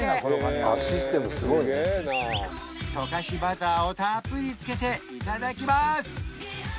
すげえな溶かしバターをたっぷりつけていただきます！